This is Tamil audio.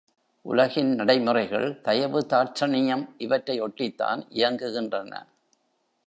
உலகின் நடைமுறைகள் தயவு தாட்சணியம் இவற்றை ஒட்டித்தான் இயங்குகின்றன.